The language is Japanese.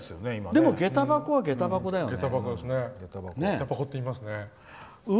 でも、げた箱はげた箱だよね。